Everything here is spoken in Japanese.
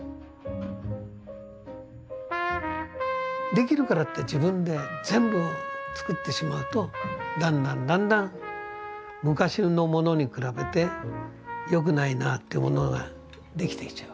できるからって自分で全部作ってしまうとだんだんだんだん昔のものに比べて良くないなってものができてきちゃう。